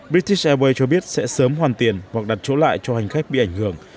british airways cho biết sẽ sớm hoàn tiện hoặc đặt chỗ lại cho hành khách bị ảnh hưởng